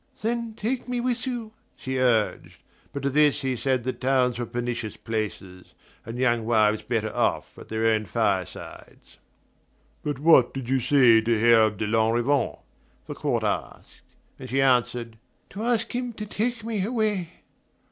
"Then take me with you," she urged; but to this he said that towns were pernicious places, and young wives better off at their own firesides. "But what did you want to say to Herve de Lanrivain?" the court asked; and she answered: "To ask him to take me away."